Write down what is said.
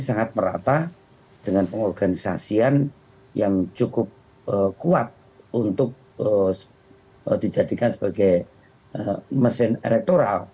sangat merata dengan pengorganisasian yang cukup kuat untuk dijadikan sebagai mesin elektoral